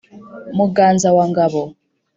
muganza wa ngabo